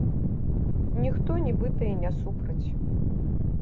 Ніхто нібыта й не супраць.